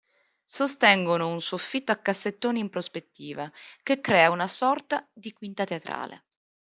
Sostengono un soffitto a cassettoni in prospettiva, che crea una sorta di quinta teatrale.